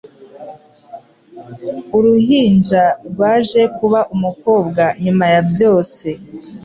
Uruhinja rwaje kuba umukobwa nyuma ya byose.